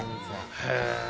へえ。